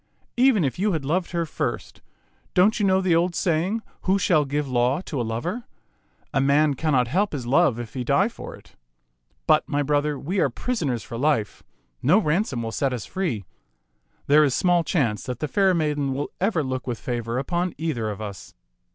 Even if you had loved her first, don't you know the old saying, 'Who shall give law to a lover ?' A man cannot help his love if he die for it. But, my brother, we are prisoners for life ; no ransom will set us free. There is small chance that the fair maiden will ever look with favor upon either of us.